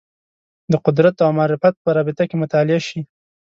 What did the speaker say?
د قدرت او معرفت په رابطه کې مطالعه شي